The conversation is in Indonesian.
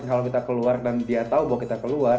kalau kita keluar dan dia tahu bahwa kita keluar